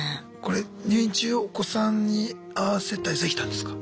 入院中お子さんに会わせたりできたんですか？